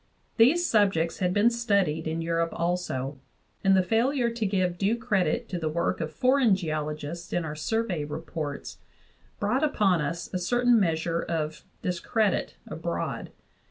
These subjects had been studied in Eu rope also, and the failure to give due credit to the work of foreign geologists in our Survey reports brought upon us a certain measure of discredit abroad.